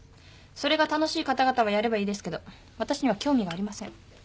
それが楽しい方々はやればいいですけど私には興味がありません。